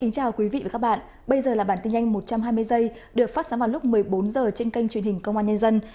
chào các bạn bây giờ là bản tin nhanh một trăm hai mươi giây được phát sóng vào lúc một mươi bốn h trên kênh truyền hình công an nhân dân